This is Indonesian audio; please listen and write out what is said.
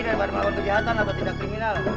daripada melakukan kejahatan atau tidak kriminal